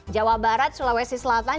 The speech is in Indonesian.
jawa barat sulawesi selatan